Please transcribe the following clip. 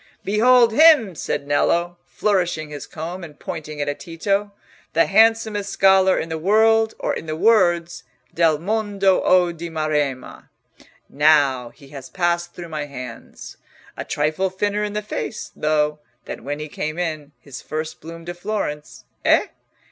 "Behold him!" said Nello, flourishing his comb and pointing it at Tito, "the handsomest scholar in the world or in the wolds, ('Del mondo o di maremma') now he has passed through my hands! A trifle thinner in the face, though, than when he came in his first bloom to Florence—eh?